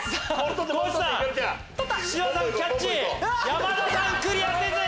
山田さんクリアせず。